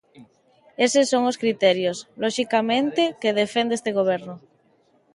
Eses son os criterios, loxicamente, que defende este goberno.